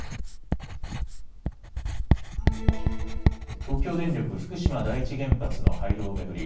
東京電力福島第一原発の廃炉を巡り